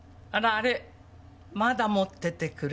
あれまだ持っててくれたのね。